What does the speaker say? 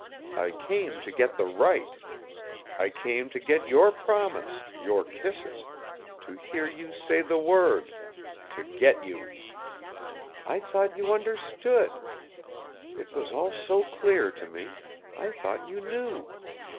I came to get the right. I came to get your promise, your kisses, to hear you say the word, to get you! I thought you understood. It was all so clear to me. I thought you knew.